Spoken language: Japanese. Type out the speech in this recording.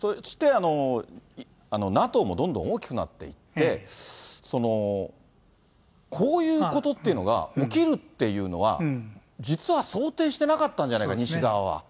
そしてＮＡＴＯもどんどん大きくなっていって、こういうことっていうのが起きるっていうのは、実は想定していなかったんじゃないか、西側は。